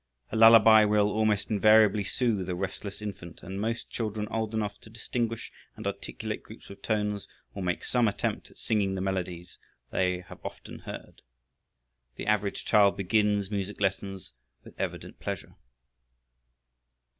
A lullaby will almost invariably soothe a restless infant, and most children old enough to distinguish and articulate groups of tones will make some attempt at singing the melodies they have often heard. The average child begins music lessons with evident pleasure.